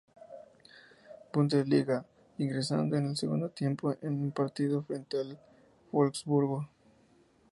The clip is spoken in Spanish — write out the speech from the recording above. Bundesliga, ingresando en el segundo tiempo en un partido frente al VfL Wolfsburg.